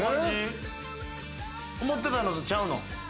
思ってたのとちゃうの？